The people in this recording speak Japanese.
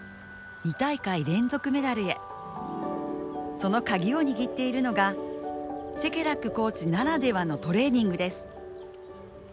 そのカギを握っているのがシェケラックコーチならではのトレーニングです。